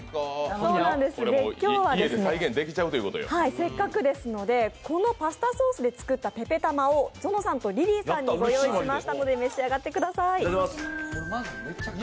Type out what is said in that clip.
今日はせっかくですのでこのパスタソースで作ったぺぺたまをぞのさんとリリーさんに御用意しましたので、召し上がってください。